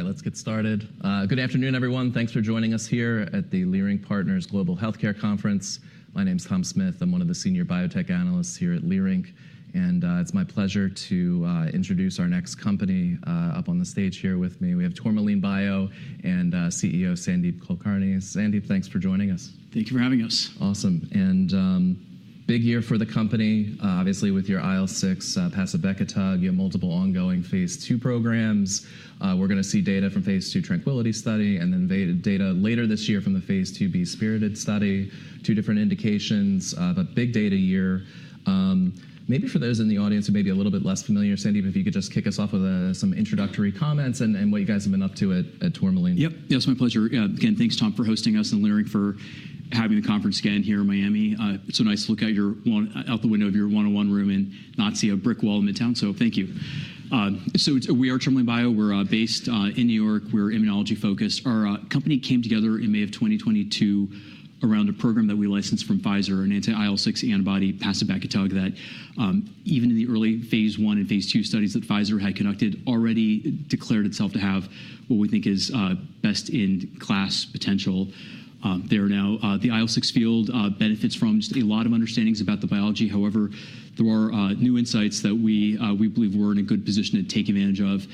All right, let's get started. Good afternoon, everyone. Thanks for joining us here at the Leerink Partners Global Healthcare Conference. My name's Tom Smith. I'm one of the senior biotech analysts here at Leerink. It's my pleasure to introduce our next company up on the stage here with me. We have Tourmaline Bio and CEO Sandeep Kulkarni. Sandeep, thanks for joining us. Thank you for having us. Awesome. Big year for the company. Obviously, with your IL-6 pacibekitug, you have multiple ongoing phase II programs. We're going to see data from phase II Tranquility Study and then data later this year from the phase II-B spiriTED Study. Two different indications, but big data year. Maybe for those in the audience who may be a little bit less familiar, Sandeep, if you could just kick us off with some introductory comments and what you guys have been up to at Tourmaline. Yep, yeah, it's my pleasure. Again, thanks, Tom, for hosting us and Leerink for having the conference again here in Miami. It's so nice to look out the window of your one-on-one room and not see a brick wall in Midtown. Thank you. We are Tourmaline Bio. We're based in New York. We're immunology focused. Our company came together in May of 2022 around a program that we licensed from Pfizer, an anti-IL-6 antibody pacibekitug that, even in the early phase I and phase II studies that Pfizer had conducted, already declared itself to have what we think is best-in-class potential there now. The IL-6 field benefits from a lot of understandings about the biology. However, there are new insights that we believe we're in a good position to take advantage of.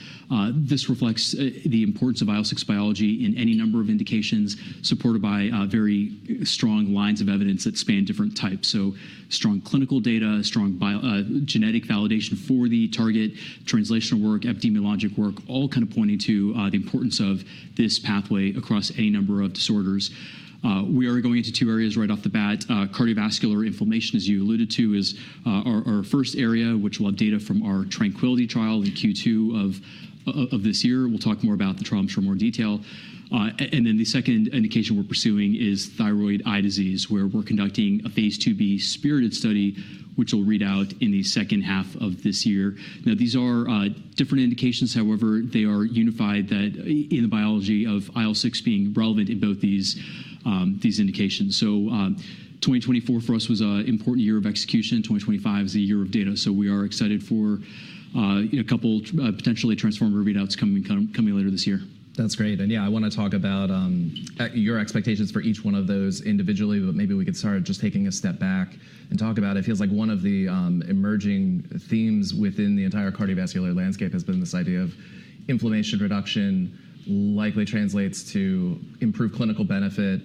This reflects the importance of IL-6 biology in any number of indications supported by very strong lines of evidence that span different types. Strong clinical data, strong genetic validation for the target, translational work, epidemiologic work, all kind of pointing to the importance of this pathway across any number of disorders. We are going into two areas right off the bat. Cardiovascular inflammation, as you alluded to, is our first area, which will have data from our Tranquility Trial in Q2 of this year. We'll talk more about the trials for more detail. The second indication we're pursuing is thyroid eye disease, where we're conducting a phase II-B spiriTED Study, which will read out in the second half of this year. These are different indications. However, they are unified in the biology of IL-6 being relevant in both these indications. 2024 for us was an important year of execution. 2025 is the year of data. We are excited for a couple of potentially transformative readouts coming later this year. That's great. Yeah, I want to talk about your expectations for each one of those individually, but maybe we could start just taking a step back and talk about it. It feels like one of the emerging themes within the entire cardiovascular landscape has been this idea of inflammation reduction likely translates to improved clinical benefit.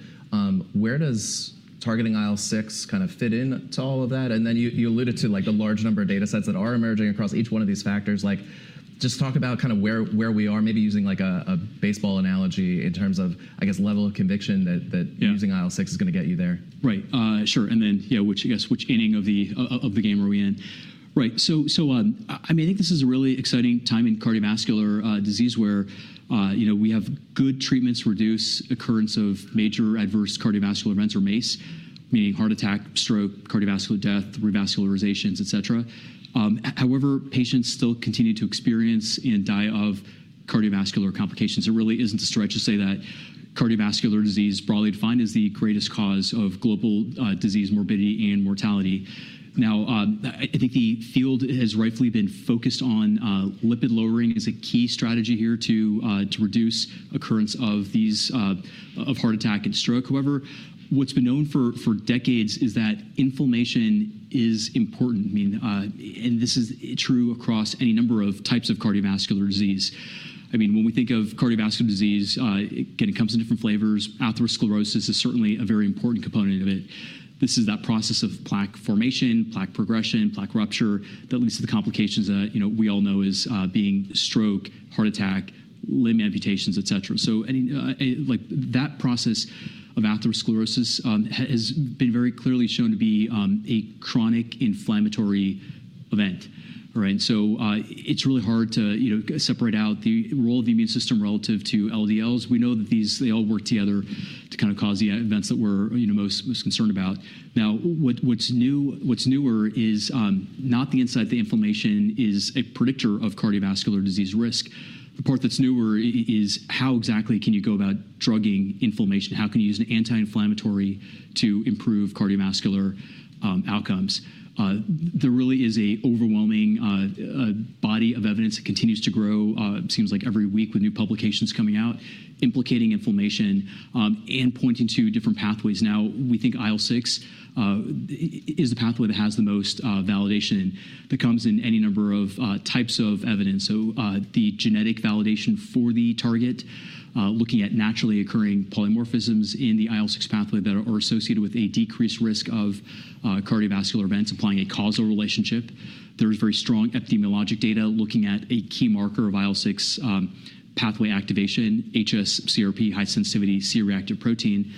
Where does targeting IL-6 kind of fit into all of that? You alluded to the large number of data sets that are emerging across each one of these factors. Just talk about kind of where we are, maybe using a baseball analogy in terms of, I guess, level of conviction that using IL-6 is going to get you there. Right, sure. Yeah, which, I guess, which inning of the game are we in? Right. I mean, I think this is a really exciting time in cardiovascular disease where we have good treatments to reduce occurrence of major adverse cardiovascular events or MACE, meaning heart attack, stroke, cardiovascular death, revascularizations, et cetera. However, patients still continue to experience and die of cardiovascular complications. It really isn't a stretch to say that cardiovascular disease, broadly defined, is the greatest cause of global disease morbidity and mortality. Now, I think the field has rightfully been focused on lipid lowering as a key strategy here to reduce occurrence of heart attack and stroke. However, what's been known for decades is that inflammation is important. I mean, and this is true across any number of types of cardiovascular disease. I mean, when we think of cardiovascular disease, again, it comes in different flavors. Atherosclerosis is certainly a very important component of it. This is that process of plaque formation, plaque progression, plaque rupture that leads to the complications that we all know as being stroke, heart attack, limb amputations, et cetera. That process of atherosclerosis has been very clearly shown to be a chronic inflammatory event. It's really hard to separate out the role of the immune system relative to LDLs. We know that they all work together to kind of cause the events that we're most concerned about. Now, what's newer is not the insight that inflammation is a predictor of cardiovascular disease risk. The part that's newer is how exactly can you go about drugging inflammation? How can you use an anti-inflammatory to improve cardiovascular outcomes? There really is an overwhelming body of evidence that continues to grow, seems like every week with new publications coming out, implicating inflammation and pointing to different pathways. Now, we think IL-6 is the pathway that has the most validation that comes in any number of types of evidence. The genetic validation for the target, looking at naturally occurring polymorphisms in the IL-6 pathway that are associated with a decreased risk of cardiovascular events, applying a causal relationship. There is very strong epidemiologic data looking at a key marker of IL-6 pathway activation, hs-CRP, high sensitivity C-reactive protein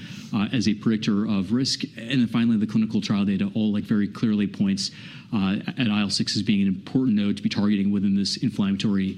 as a predictor of risk. Finally, the clinical trial data all very clearly points at IL-6 as being an important node to be targeting within this inflammatory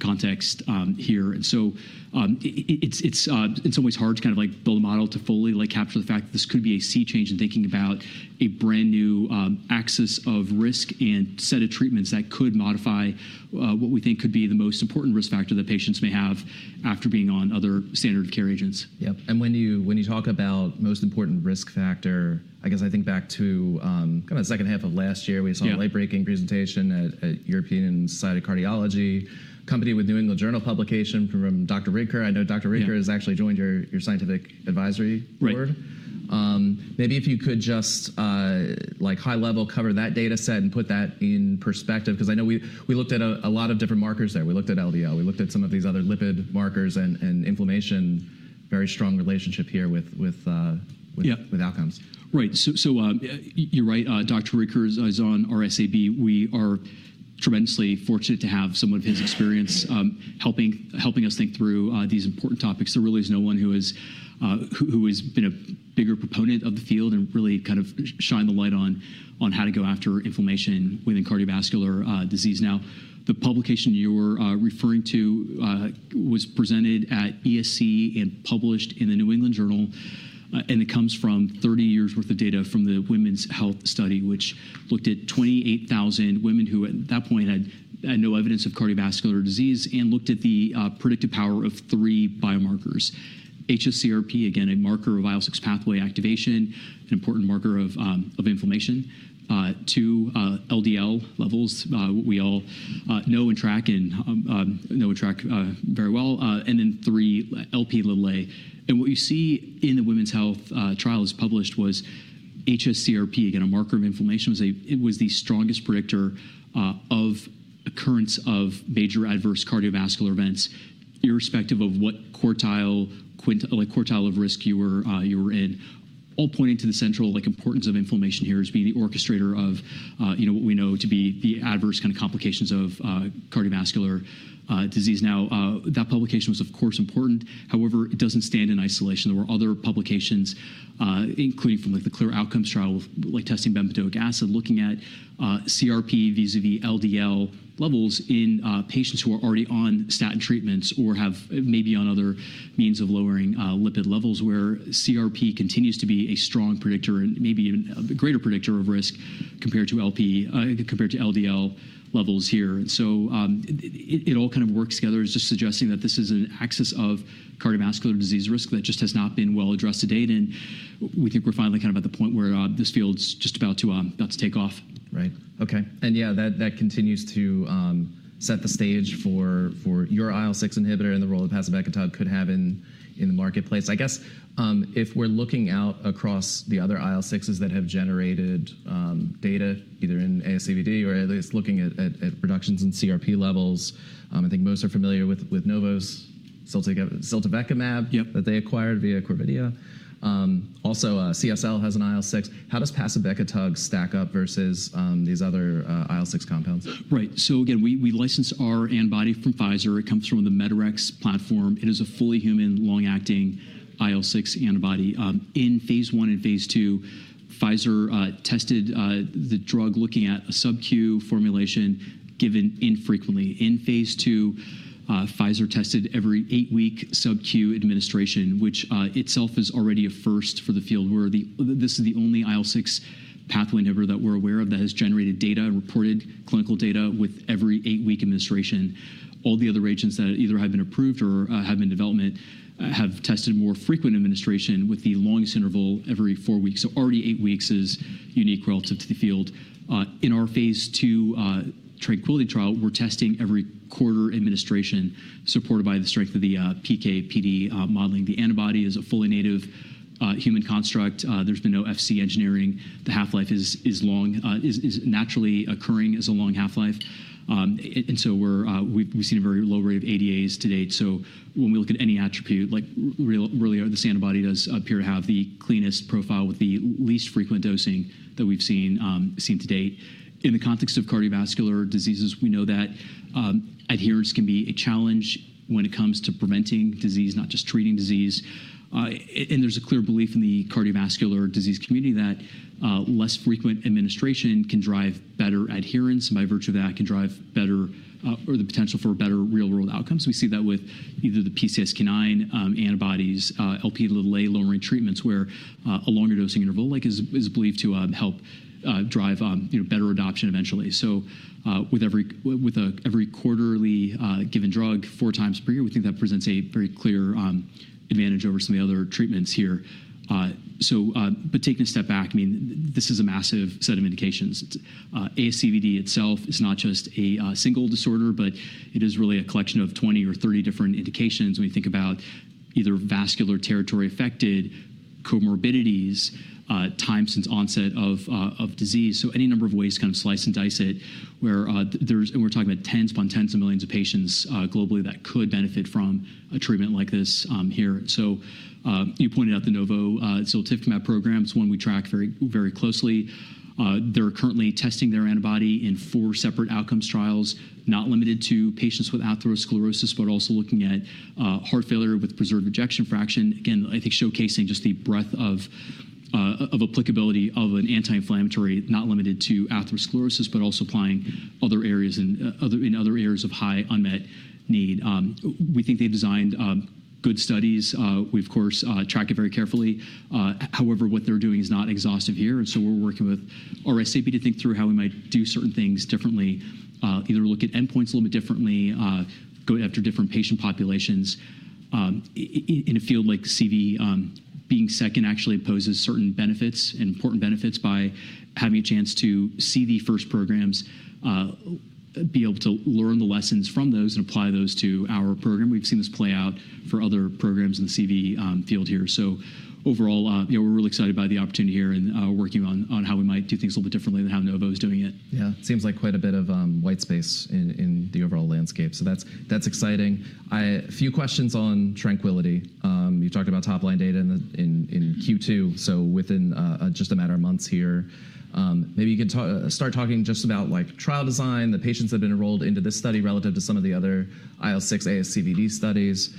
context here. It is, in some ways, hard to kind of build a model to fully capture the fact that this could be a sea change in thinking about a brand new axis of risk and set of treatments that could modify what we think could be the most important risk factor that patients may have after being on other standard care agents. Yep. When you talk about most important risk factor, I guess I think back to kind of the second half of last year, we saw a late-breaking presentation at European Society of Cardiology, a company with New England Journal publication from Dr. Ridker. I know Dr. Ridker has actually joined your scientific advisory board. Maybe if you could just high-level cover that data set and put that in perspective, because I know we looked at a lot of different markers there. We looked at LDL. We looked at some of these other lipid markers and inflammation, very strong relationship here with outcomes. Right. You're right. Dr. Ridker is on our SAB. We are tremendously fortunate to have someone of his experience helping us think through these important topics. There really is no one who has been a bigger proponent of the field and really kind of shined the light on how to go after inflammation within cardiovascular disease. The publication you were referring to was presented at ESC and published in the New England Journal. It comes from 30 years' worth of data from the Women's Health Study, which looked at 28,000 women who at that point had no evidence of cardiovascular disease and looked at the predictive power of three biomarkers. HS-CRP, again, a marker of IL-6 pathway activation, an important marker of inflammation. Two, LDL levels, what we all know and track and know and track very well. And then three, Lp(a). What you see in the Women's Health Trial as published was HS-CRP, again, a marker of inflammation, was the strongest predictor of occurrence of major adverse cardiovascular events, irrespective of what quartile of risk you were in, all pointing to the central importance of inflammation here as being the orchestrator of what we know to be the adverse kind of complications of cardiovascular disease. That publication was, of course, important. However, it doesn't stand in isolation. There were other publications, including from the CLEAR Outcomes Trial, testing bempedoic acid, looking at CRP vis-à-vis LDL levels in patients who are already on statin treatments or maybe on other means of lowering lipid levels, where CRP continues to be a strong predictor and maybe even a greater predictor of risk compared to LDL levels here. It all kind of works together, just suggesting that this is an axis of cardiovascular disease risk that just has not been well addressed to date. We think we're finally kind of at the point where this field's just about to take off. Right. OK. Yeah, that continues to set the stage for your IL-6 inhibitor and the role pacibekitug could have in the marketplace. I guess if we're looking out across the other IL-6s that have generated data, either in ASCVD or at least looking at reductions in CRP levels, I think most are familiar with Novo's ziltivekimab that they acquired via Abcentra. Also, CSL has an IL-6. How does pacibekitug stack up versus these other IL-6 compounds? Right. Again, we license our antibody from Pfizer. It comes from the Medarex platform. It is a fully human long-acting IL-6 antibody. In phase I and phase II, Pfizer tested the drug looking at a sub-Q formulation given infrequently. In phase II, Pfizer tested every eight-week sub-Q administration, which itself is already a first for the field, where this is the only IL-6 pathway inhibitor that we're aware of that has generated data and reported clinical data with every eight-week administration. All the other regimens that either have been approved or have been in development have tested more frequent administration with the longest interval every four weeks. Already eight weeks is unique relative to the field. In our phase II Tranquility Trial, we're testing every quarter administration supported by the strength of the PK/PD modeling. The antibody is a fully native human construct. There's been no FC engineering. The half-life is naturally occurring as a long half-life. We have seen a very low rate of ADAs to date. When we look at any attribute, really, this antibody does appear to have the cleanest profile with the least frequent dosing that we have seen to date. In the context of cardiovascular diseases, we know that adherence can be a challenge when it comes to preventing disease, not just treating disease. There is a clear belief in the cardiovascular disease community that less frequent administration can drive better adherence, and by virtue of that, can drive better or the potential for better real-world outcomes. We see that with either the PCSK9 antibodies, Lp(a) lowering treatments, where a longer dosing interval is believed to help drive better adoption eventually. With every quarterly given drug four times per year, we think that presents a very clear advantage over some of the other treatments here. Taking a step back, I mean, this is a massive set of indications. ASCVD itself is not just a single disorder, but it is really a collection of 20 or 30 different indications when we think about either vascular territory affected, comorbidities, time since onset of disease. Any number of ways to kind of slice and dice it, where we're talking about tens upon tens of millions of patients globally that could benefit from a treatment like this here. You pointed out the Novo Nordisk ziltivekimab program is one we track very closely. They're currently testing their antibody in four separate outcomes trials, not limited to patients with atherosclerosis, but also looking at heart failure with preserved ejection fraction. Again, I think showcasing just the breadth of applicability of an anti-inflammatory, not limited to atherosclerosis, but also applying in other areas of high unmet need. We think they've designed good studies. We, of course, track it very carefully. However, what they're doing is not exhaustive here. We are working with RSAB to think through how we might do certain things differently, either look at endpoints a little bit differently, go after different patient populations. In a field like CV, being second actually poses certain benefits and important benefits by having a chance to see the first programs, be able to learn the lessons from those, and apply those to our program. We've seen this play out for other programs in the CV field here. Overall, we're really excited by the opportunity here and working on how we might do things a little bit differently than how Novo is doing it. Yeah. It seems like quite a bit of white space in the overall landscape. That is exciting. A few questions on Tranquility. You talked about top-line data in Q2, so within just a matter of months here. Maybe you can start talking just about trial design, the patients that have been enrolled into this study relative to some of the other IL-6 ASCVD studies.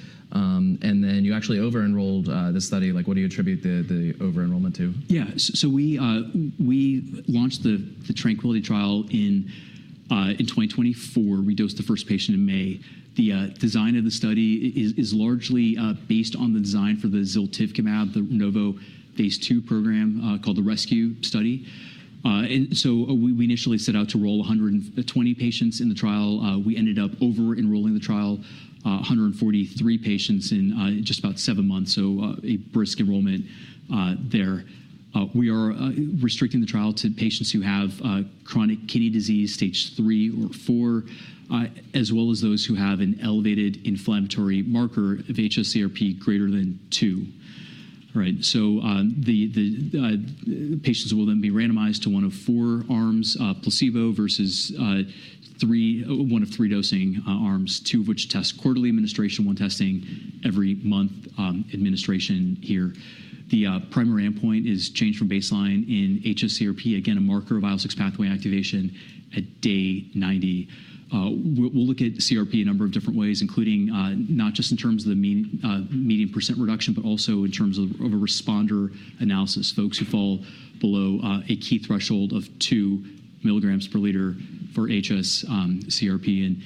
You actually over-enrolled this study. What do you attribute the over-enrollment to? Yeah. We launched the Tranquility Trial in 2020. We dosed the first patient in May. The design of the study is largely based on the design for the ziltivekimab, the Novo Nordisk phase II program called the RESCUE study. We initially set out to enroll 120 patients in the trial. We ended up over-enrolling the trial, 143 patients in just about seven months, so a brisk enrollment there. We are restricting the trial to patients who have chronic kidney disease, stage III or stage IV, as well as those who have an elevated inflammatory marker of hs-CRP greater than 2. The patients will then be randomized to one of four arms, placebo versus one of three dosing arms, two of which test quarterly administration, one testing every month administration here. The primary endpoint is change from baseline in hs-CRP, again, a marker of IL-6 pathway activation at day 90. We'll look at CRP a number of different ways, including not just in terms of the median percent reduction, but also in terms of a responder analysis, folks who fall below a key threshold of 2 mg/l for hs-CRP.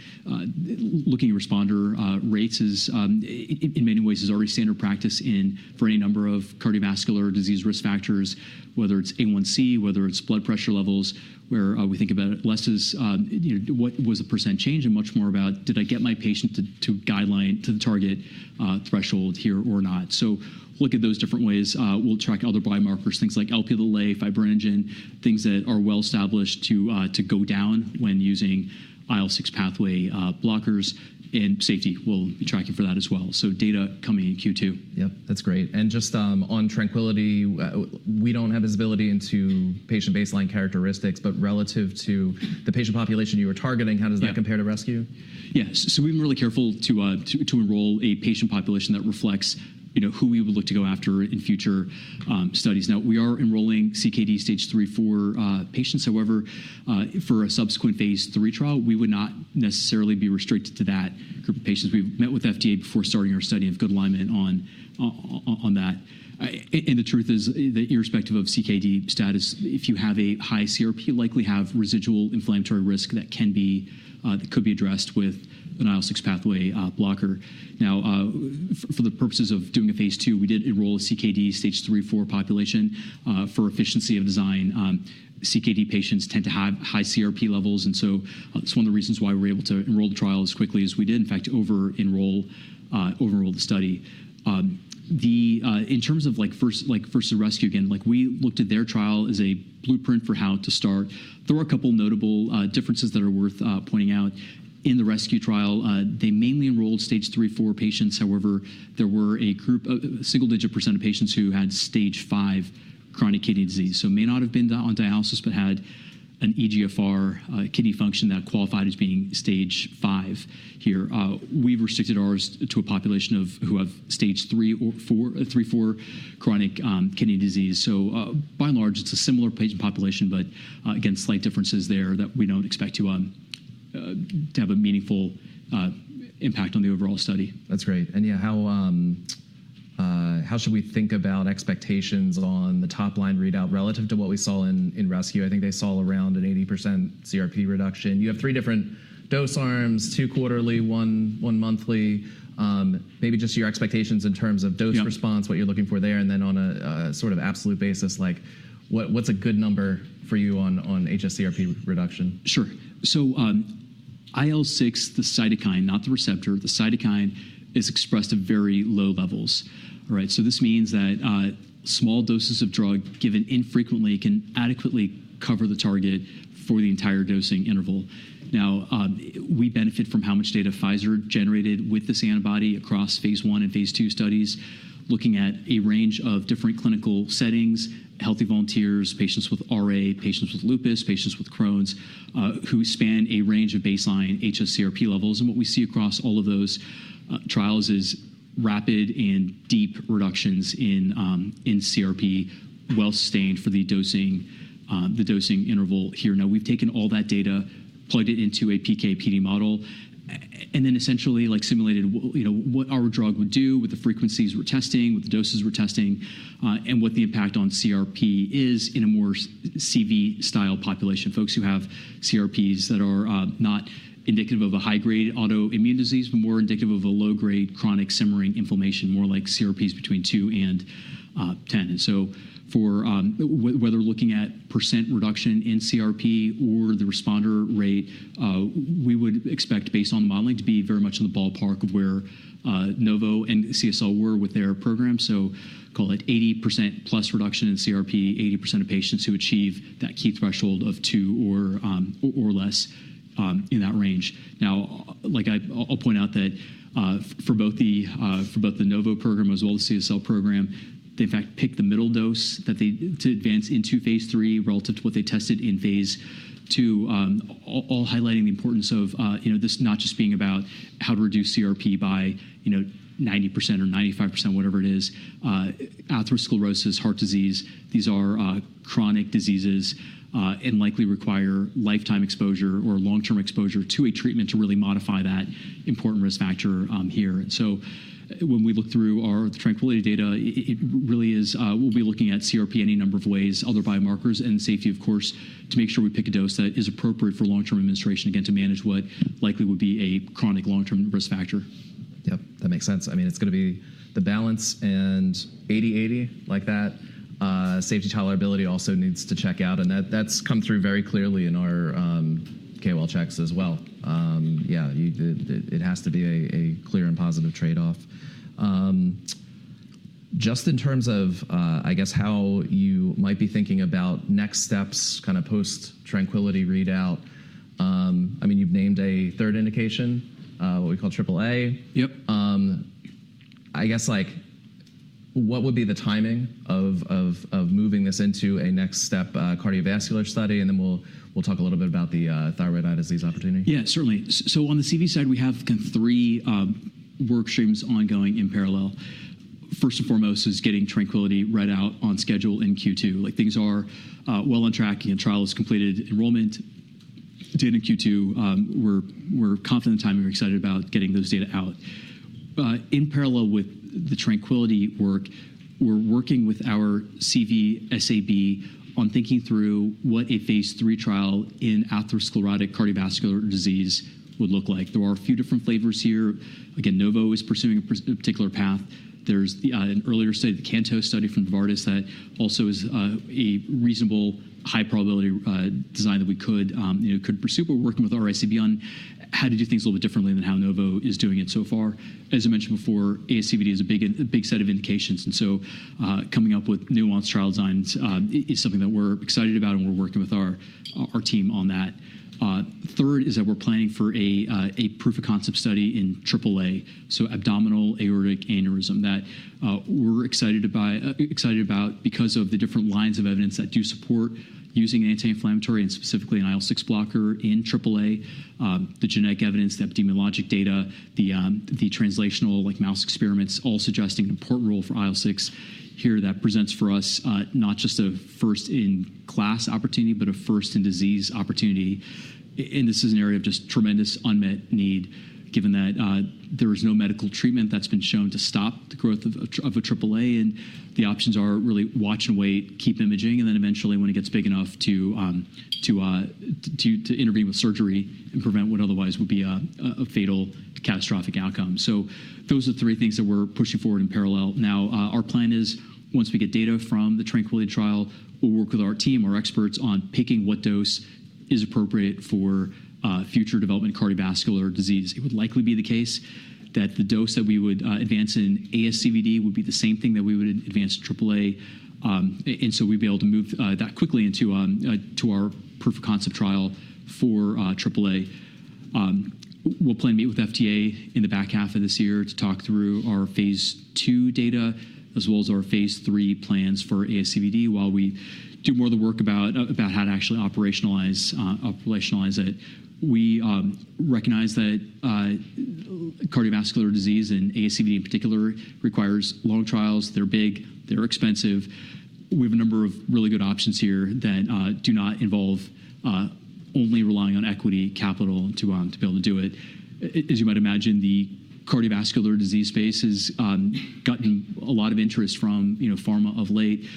Looking at responder rates is, in many ways, already standard practice for any number of cardiovascular disease risk factors, whether it's A1C, whether it's blood pressure levels, where we think about less is what was the percent change and much more about did I get my patient to the target threshold here or not. Look at those different ways. We'll track other biomarkers, things like Lp(a), fibrinogen, things that are well established to go down when using IL-6 pathway blockers. Safety will be tracking for that as well. Data coming in Q2. Yep. That's great. Just on Tranquility, we don't have visibility into patient baseline characteristics, but relative to the patient population you were targeting, how does that compare to RESCUE? Yes. We have been really careful to enroll a patient population that reflects who we would look to go after in future studies. Now, we are enrolling CKD stage III/IV patients. However, for a subsequent phase III trial, we would not necessarily be restricted to that group of patients. We have met with FDA before starting our study and have good alignment on that. The truth is, irrespective of CKD status, if you have a high CRP, you likely have residual inflammatory risk that could be addressed with an IL-6 pathway blocker. For the purposes of doing a phase II, we did enroll a CKD stage III/IV population for efficiency of design. CKD patients tend to have high CRP levels. That is one of the reasons why we were able to enroll the trial as quickly as we did, in fact, over-enroll the study. In terms of first to RESCUE, again, we looked at their trial as a blueprint for how to start. There are a couple of notable differences that are worth pointing out. In the RESCUE trial, they mainly enrolled stage III/IV patients. However, there were a single-digit % of patients who had stage V chronic kidney disease. They may not have been on dialysis, but had an eGFR kidney function that qualified as being stage V here. We restricted ours to a population who have stage III or IV chronic kidney disease. By and large, it's a similar patient population, but again, slight differences there that we don't expect to have a meaningful impact on the overall study. That's great. Yeah, how should we think about expectations on the top-line readout relative to what we saw in RESCUE? I think they saw around an 80% CRP reduction. You have three different dose arms, two quarterly, one monthly. Maybe just your expectations in terms of dose response, what you're looking for there. On a sort of absolute basis, what's a good number for you on hs-CRP reduction? Sure. IL-6, the cytokine, not the receptor, the cytokine is expressed at very low levels. This means that small doses of drug given infrequently can adequately cover the target for the entire dosing interval. We benefit from how much data Pfizer generated with this antibody across phase I and phase II studies, looking at a range of different clinical settings, healthy volunteers, patients with RA, patients with lupus, patients with Crohn's, who span a range of baseline hs-CRP levels. What we see across all of those trials is rapid and deep reductions in CRP, well sustained for the dosing interval here. Now, we've taken all that data, plugged it into a PK/PD model, and then essentially simulated what our drug would do with the frequencies we're testing, with the doses we're testing, and what the impact on CRP is in a more CV-style population, folks who have CRPs that are not indicative of a high-grade autoimmune disease, but more indicative of a low-grade chronic simmering inflammation, more like CRPs between 2 and 10. Whether looking at percent reduction in CRP or the responder rate, we would expect, based on modeling, to be very much in the ballpark of where Novo and CSL were with their program. Call it 80% plus reduction in CRP, 80% of patients who achieve that key threshold of 2 or less in that range. Now, I'll point out that for both the Novo program as well as the CSL program, they, in fact, picked the middle dose to advance into phase III relative to what they tested in phase II, all highlighting the importance of this not just being about how to reduce CRP by 90% or 95%, whatever it is. Atherosclerosis, heart disease, these are chronic diseases and likely require lifetime exposure or long-term exposure to a treatment to really modify that important risk factor here. When we look through our Tranquility data, it really is we'll be looking at CRP any number of ways, other biomarkers, and safety, of course, to make sure we pick a dose that is appropriate for long-term administration, again, to manage what likely would be a chronic long-term risk factor. Yep. That makes sense. I mean, it's going to be the balance and 80/80 like that. Safety tolerability also needs to check out. That has come through very clearly in our KOL checks as well. Yeah, it has to be a clear and positive trade-off. Just in terms of, I guess, how you might be thinking about next steps, kind of post Tranquility readout, I mean, you've named a third indication, what we call AAA. Yep. I guess, what would be the timing of moving this into a next step cardiovascular study? Then we'll talk a little bit about the thyroid eye disease opportunity. Yeah, certainly. On the CV side, we have three workstreams ongoing in parallel. First and foremost is getting Tranquility read out on schedule in Q2. Things are well on track. The trial is completed. Enrollment did in Q2. We're confident in time. We're excited about getting those data out. In parallel with the Tranquility work, we're working with our CV SAB on thinking through what a phase III trial in atherosclerotic cardiovascular disease would look like. There are a few different flavors here. Again, Novo is pursuing a particular path. There's an earlier study, the CANTOS study from Novartis, that also is a reasonable high-probability design that we could pursue. We're working with our SAB on how to do things a little bit differently than how Novo is doing it so far. As I mentioned before, ASCVD is a big set of indications. Coming up with nuanced trial designs is something that we're excited about, and we're working with our team on that. Third is that we're planning for a proof of concept study in AAA, so abdominal aortic aneurysm, that we're excited about because of the different lines of evidence that do support using an anti-inflammatory and specifically an IL-6 blocker in AAA. The genetic evidence, the epidemiologic data, the translational mouse experiments all suggesting an important role for IL-6 here that presents for us not just a first-in-class opportunity, but a first-in-disease opportunity. This is an area of just tremendous unmet need, given that there is no medical treatment that's been shown to stop the growth of AAA. The options are really watch and wait, keep imaging, and then eventually, when it gets big enough to intervene with surgery and prevent what otherwise would be a fatal catastrophic outcome. Those are three things that we're pushing forward in parallel. Our plan is, once we get data from the Tranquility trial, we'll work with our team, our experts, on picking what dose is appropriate for future development of cardiovascular disease. It would likely be the case that the dose that we would advance in ASCVD would be the same thing that we would advance in AAA. We would be able to move that quickly into our proof of concept trial for AAA. We'll plan to meet with FDA in the back half of this year to talk through our phase II data, as well as our phase III plans for ASCVD while we do more of the work about how to actually operationalize it. We recognize that cardiovascular disease and ASCVD in particular requires long trials. They're big. They're expensive. We have a number of really good options here that do not involve only relying on equity capital to be able to do it. As you might imagine, the cardiovascular disease space has gotten a lot of interest from pharma of late.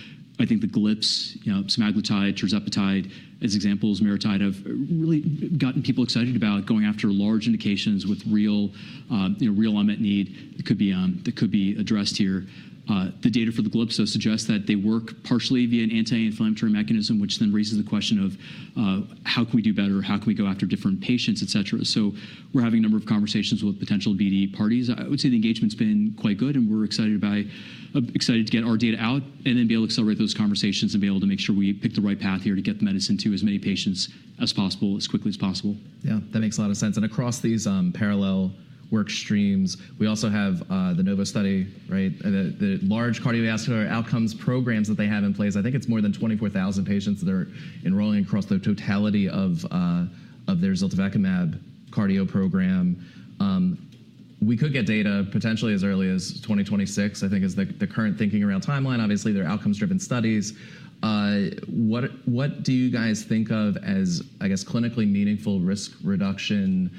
I think the GLPs, semaglutide, tirzepatide as examples, MariTide, have really gotten people excited about going after large indications with real unmet need that could be addressed here. The data for the GLPs does suggest that they work partially via an anti-inflammatory mechanism, which then raises the question of how can we do better, how can we go after different patients, et cetera. We are having a number of conversations with potential BD parties. I would say the engagement's been quite good, and we're excited to get our data out and then be able to accelerate those conversations and be able to make sure we pick the right path here to get the medicine to as many patients as possible, as quickly as possible. Yeah, that makes a lot of sense. Across these parallel workstreams, we also have the Novo study, the large cardiovascular outcomes programs that they have in place. I think it's more than 24,000 patients that are enrolling across the totality of their ziltivekimab cardio program. We could get data potentially as early as 2026, I think, is the current thinking around timeline. Obviously, they're outcomes-driven studies. What do you guys think of as, I guess, clinically meaningful risk reduction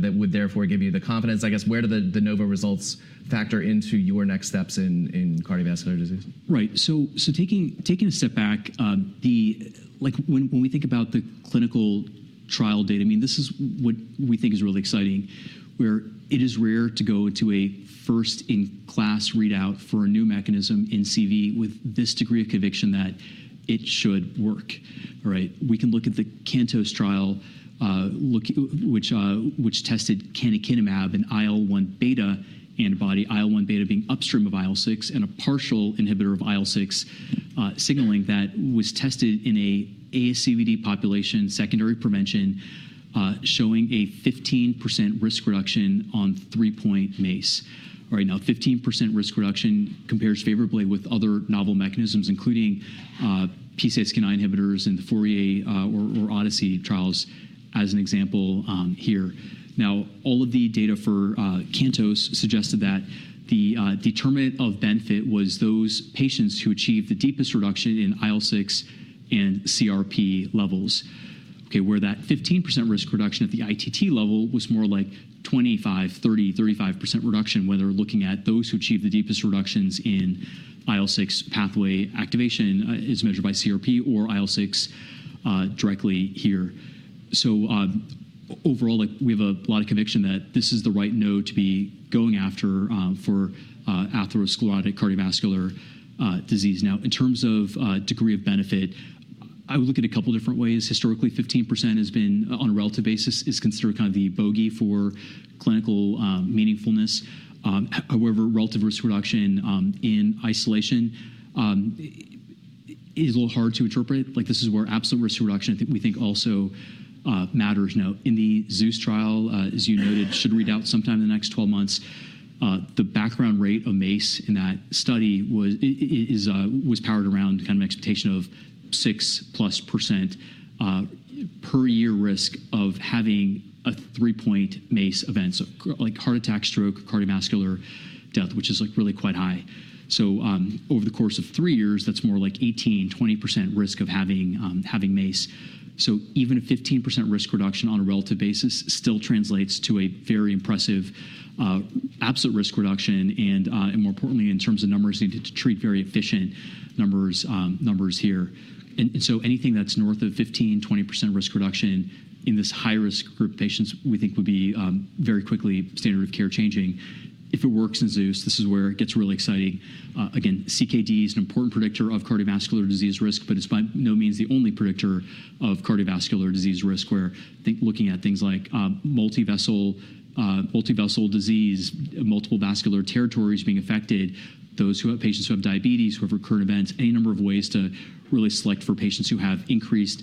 that would therefore give you the confidence? I guess, where do the Novo results factor into your next steps in cardiovascular disease? Right. Taking a step back, when we think about the clinical trial data, I mean, this is what we think is really exciting, where it is rare to go into a first-in-class readout for a new mechanism in CV with this degree of conviction that it should work. We can look at the CANTOS trial, which tested canakinumab, an IL-1 beta antibody, IL-1 beta being upstream of IL-6, and a partial inhibitor of IL-6, signaling that was tested in an ASCVD population, secondary prevention, showing a 15% risk reduction on three-point MACE. Now, 15% risk reduction compares favorably with other novel mechanisms, including PCSK9 inhibitors and the FOURIER or ODYSSEY trials as an example here. Now, all of the data for CANTOS suggested that the determinant of benefit was those patients who achieved the deepest reduction in IL-6 and CRP levels, where that 15% risk reduction at the ITT level was more like 25%, 30%, 35% reduction when they're looking at those who achieved the deepest reductions in IL-6 pathway activation as measured by CRP or IL-6 directly here. Overall, we have a lot of conviction that this is the right node to be going after for atherosclerotic cardiovascular disease. In terms of degree of benefit, I would look at a couple of different ways. Historically, 15% has been, on a relative basis, considered kind of the bogey for clinical meaningfulness. However, relative risk reduction in isolation is a little hard to interpret. This is where absolute risk reduction, I think we think, also matters. Now, in the ZEUS trial, as you noted, should read out sometime in the next 12 months, the background rate of MACE in that study was powered around kind of expectation of 6% plus per year risk of having a three-point MACE event, so like heart attack, stroke, cardiovascular death, which is really quite high. Over the course of three years, that's more like 18%-20% risk of having MACE. Even a 15% risk reduction on a relative basis still translates to a very impressive absolute risk reduction. More importantly, in terms of numbers, needed to treat very efficient numbers here. Anything that's north of 15%-20% risk reduction in this high-risk group of patients, we think, would be very quickly standard of care changing. If it works in ZEUS, this is where it gets really exciting. Again, CKD is an important predictor of cardiovascular disease risk, but it's by no means the only predictor of cardiovascular disease risk, where looking at things like multivessel disease, multiple vascular territories being affected, those patients who have diabetes, who have recurrent events, any number of ways to really select for patients who have increased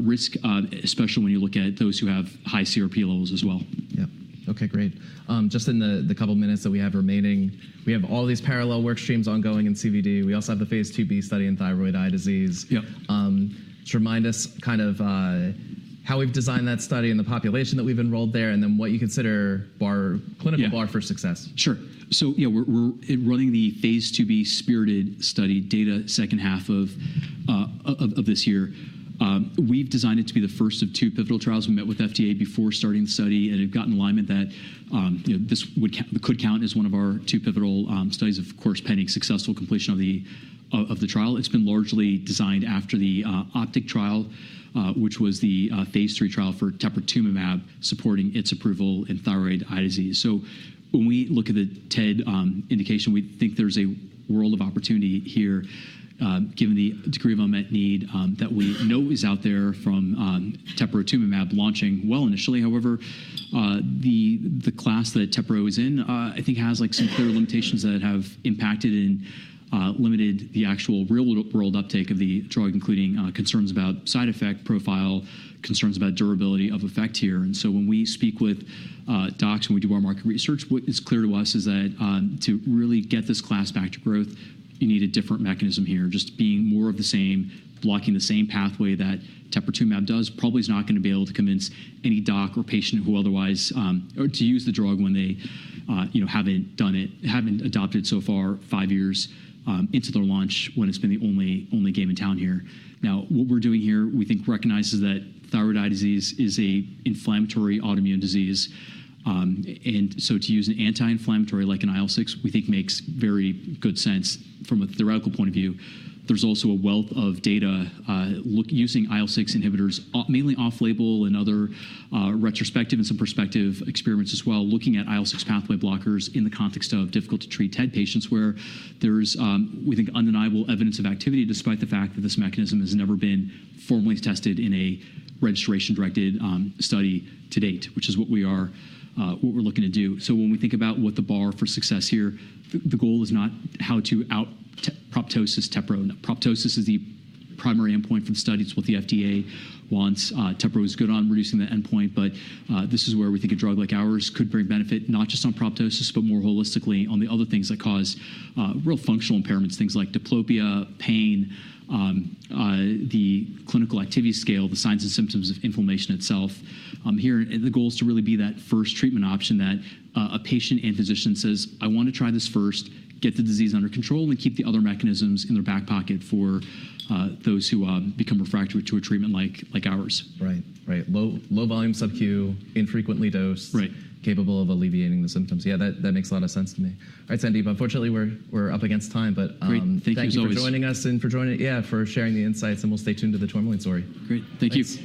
risk, especially when you look at those who have high CRP levels as well. Yep. OK, great. Just in the couple of minutes that we have remaining, we have all these parallel workstreams ongoing in CVD. We also have the phase II-B study in thyroid eye disease. Just remind us kind of how we've designed that study and the population that we've enrolled there, and then what you consider clinical bar for success. Sure. Yeah, we're running the phase II-B spiriTED Study data second half of this year. We've designed it to be the first of two pivotal trials. We met with FDA before starting the study, and got in alignment that this could count as one of our two pivotal studies, of course, pending successful completion of the trial. It's been largely designed after the OPTIC trial, which was the phase III trial for teprotumumab, supporting its approval in thyroid eye disease. When we look at the TED indication, we think there's a world of opportunity here, given the degree of unmet need that we know is out there from teprotumumab launching well initially. However, the class that Tepra is in, I think, has some clear limitations that have impacted and limited the actual real-world uptake of the drug, including concerns about side effect profile, concerns about durability of effect here. When we speak with docs and we do our market research, what is clear to us is that to really get this class back to growth, you need a different mechanism here, just being more of the same, blocking the same pathway that teprotumumab does. Probably is not going to be able to convince any doc or patient who otherwise to use the drug when they haven't adopted it so far, five years into their launch when it's been the only game in town here. Now, what we're doing here, we think, recognizes that thyroid eye disease is an inflammatory autoimmune disease. To use an anti-inflammatory like an IL-6, we think, makes very good sense from a theoretical point of view. There's also a wealth of data using IL-6 inhibitors, mainly off-label and other retrospective and some prospective experiments as well, looking at IL-6 pathway blockers in the context of difficult-to-treat TED patients, where there's, we think, undeniable evidence of activity despite the fact that this mechanism has never been formally tested in a registration-directed study to date, which is what we are looking to do. When we think about what the bar for success here, the goal is not how to out-proptosis Tepra. Proptosis is the primary endpoint for the study. It's what the FDA wants. Tepra is good on reducing the endpoint. This is where we think a drug like ours could bring benefit, not just on proptosis, but more holistically on the other things that cause real functional impairments, things like diplopia, pain, the clinical activity scale, the signs and symptoms of inflammation itself. Here, the goal is to really be that first treatment option that a patient and physician says, I want to try this first, get the disease under control, and keep the other mechanisms in their back pocket for those who become refractory to a treatment like ours. Right, right. Low-volume subq, infrequently dosed, capable of alleviating the symptoms. Yeah, that makes a lot of sense to me. All right, Sandeep, unfortunately, we're up against time. Great. Thank you for joining us and for sharing the insights. We will stay tuned to the Tourmaline story. Great. Thank you.